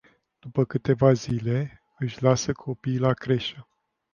După câteva zile, își lasă copiii la creșă.